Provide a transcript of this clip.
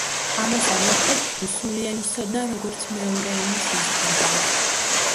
ამასთან ერთდ რუსული ენის ცოდნა, როგორც მეორე ენის, იზრდება.